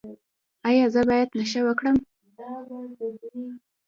ایا زه باید نشه وکړم؟